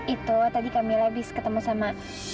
itu tadi kami habis ketemu sama